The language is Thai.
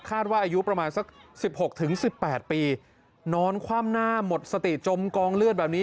ว่าอายุประมาณสักสิบหกถึงสิบแปดปีนอนคว่ำหน้าหมดสติจมกองเลือดแบบนี้